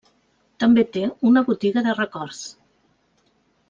També té una botiga de records.